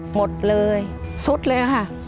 หมดเลยสุดเลยค่ะ